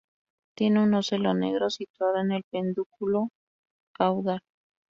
Tiene un ocelo negro, situado en el pedúnculo caudal.